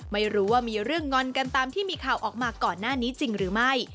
ไม่รู้ว่ามีเรื่องงอนกันตามที่มีข่าวออกมาก่อนหน้านี้จริงหรือไม่